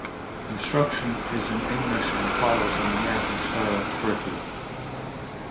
Instruction is in English and follows an American-style curriculum.